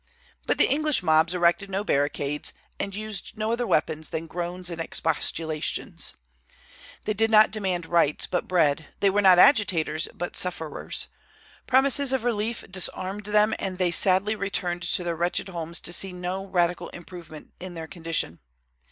But the English mobs erected no barricades, and used no other weapons than groans and expostulations. They did not demand rights, but bread; they were not agitators, but sufferers. Promises of relief disarmed them, and they sadly returned to their wretched homes to see no radical improvement in their condition.